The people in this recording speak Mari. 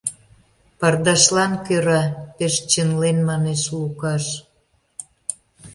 — Пардашлан кӧра, — пеш чынлен манеш Лукаш.